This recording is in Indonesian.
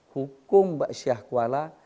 hukum yang diberikan oleh syekh kuala